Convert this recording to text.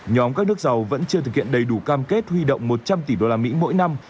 nhóm các nước giàu vẫn chưa thực hiện đầy đủ cam kết huy động một trăm linh tỷ đô la mỹ mỗi năm